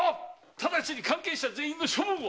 ただちに関係者全員の処分を！